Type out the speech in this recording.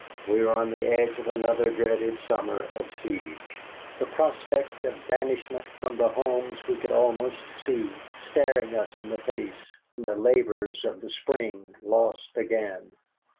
We were on the edge of another dreaded summer of siege, the prospect of banishment from the homes we could almost see, staring us in the face, and the labors of the spring lost again.